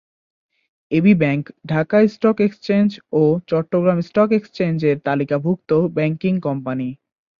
AB bank Dhaka stock exchange ও Chattogram stock এক্সচেঞ্জ-এর তালিকাভুক্ত ব্যাংকিং কোম্পানি।